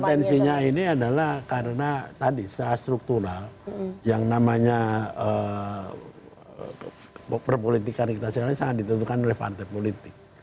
potensinya ini adalah karena tadi secara struktural yang namanya perpolitikan kita sekarang ini sangat ditentukan oleh partai politik